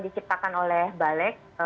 diciptakan oleh balek